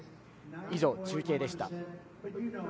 以上、中継でした。